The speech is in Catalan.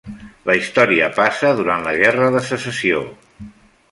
La història passa durant la guerra de Secessió.